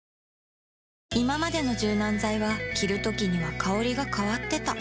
いままでの柔軟剤は着るときには香りが変わってた